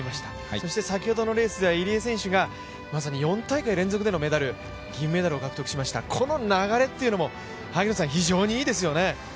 そして先ほどのレースでは入江選手が４大会連続でのメダル、銀メダルを獲得しました、この流れっていうのも非常にいいですよね。